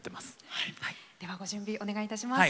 ではご準備お願いいたします。